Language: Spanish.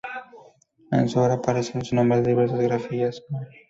En su obra aparece su nombre con diversas grafías: J. Ma.